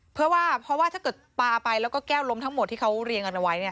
เพื่อว่าเพราะว่าถ้าเกิดปลาไปแล้วก็แก้วล้มทั้งหมดที่เขาเรียงกันเอาไว้